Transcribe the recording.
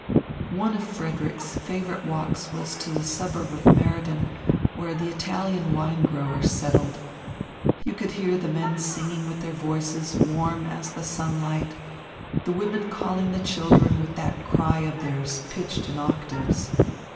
One of Frederick's favourite walks was to the suburb of Meriden where the Italian wine growers settled. You could hear the men singing with their voices warm as the sunlight, the women calling the children with that cry of theirs pitched in octaves.